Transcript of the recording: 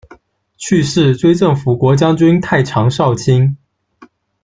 去世，追赠辅国将军、太常少卿。